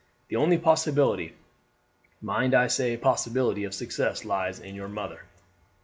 The only possibility, mind I say possibility, of success lies in your mother.